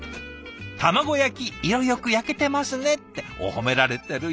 「卵焼き色よくやけてますね」っておっ褒められてる！